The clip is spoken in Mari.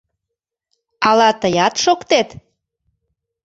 Ала тыят шоктет?